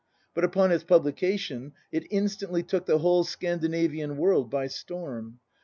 But upon its publication it instantly took the whole Scandinavian world by storm.